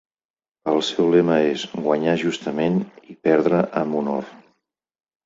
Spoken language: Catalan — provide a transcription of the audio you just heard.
El seu lema és "Guanyar justament i perdre amb honor".